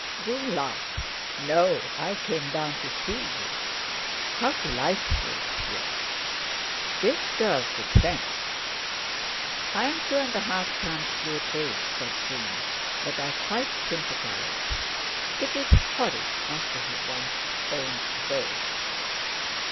June laughed. "No; I came down to see you." "How delightful of you." This girl could fence. "I'm two and a half times your age," said June, "but I quite sympathize. It's horrid not to have one's own way."